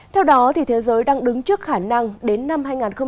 theo đó thế giới đang đứng trước khả năng đến năm hai nghìn hai mươi năm